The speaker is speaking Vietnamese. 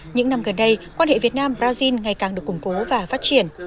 những năm gần đây quan hệ việt nam brazil ngày càng được củng cố và phát triển